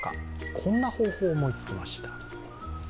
こんな方法を思いつきました。